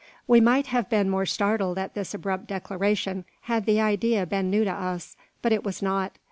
We might have been more startled at this abrupt declaration had the idea been new to us, but it was not.